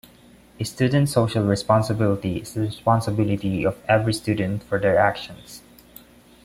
Student social responsibility is the responsibility of every student for their actions.